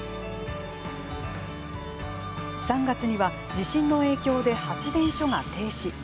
３月には、地震の影響で発電所が停止。